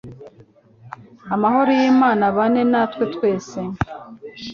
Amahoro yimana abane natwe twese